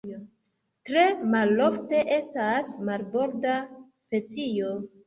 Tre malofte estas marborda specio.